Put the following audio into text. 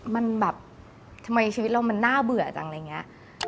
มันแบบทำไมชีวิตเรามันน่าเบื่อจังอะไรอย่างนี้